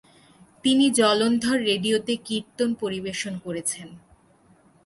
তিনি জলন্ধর রেডিওতে কীর্তন পরিবেশন করেছেন।